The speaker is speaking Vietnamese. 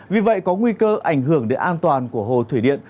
vì vậy có nguy cơ ảnh hưởng đến an toàn của hồ thủy điện